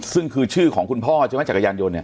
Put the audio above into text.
ซึ่งคือชื่อของคุณพ่อใช่ไหมจักรยานยนต์เนี่ย